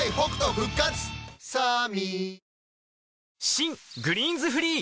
新「グリーンズフリー」